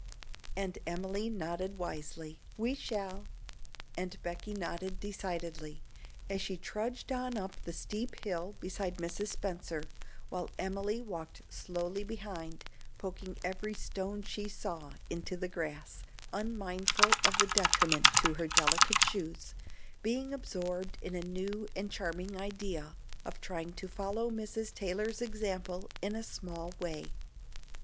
and Emily nodded wisely. "We shall!" and Becky nodded decidedly, as she trudged on up the steep hill beside Mrs. Spenser, while Emily walked slowly behind, poking every stone she saw into the grass, unmindful of the detriment to her delicate shoes, being absorbed in a new and charming idea of trying to follow Mrs. Taylor's example in a small way.